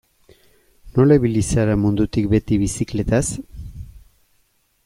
Nola ibili zara mundutik beti bizikletaz?